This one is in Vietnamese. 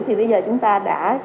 thì bây giờ chúng ta đã